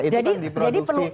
itu kan diproduksi